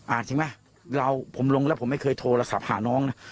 จริงไหมเราผมลงแล้วผมไม่เคยโทรศัพท์หาน้องนะ